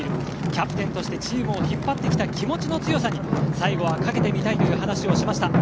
キャプテンとしてチームを引っ張ってきた気持ちの強さに最後は賭けてみたいと話していました。